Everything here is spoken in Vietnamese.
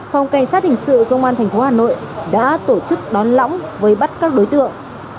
phòng cảnh sát hình sự công an tp hà nội đã tổ chức đón lõng với bắt các đối tượng